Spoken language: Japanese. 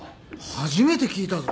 初めて聞いたぞ。